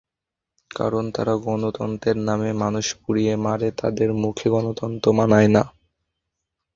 কারণ যারা গণতন্ত্রের নামে মানুষ পুড়িয়ে মারে তাদের মুখে গণতন্ত্র মানায় না।